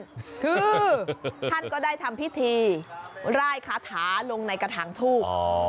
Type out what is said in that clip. คือท่านก็ได้ทำพิธีไล่คาถาลงในกระถางทูบ